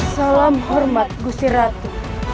salam hormat gusti ratu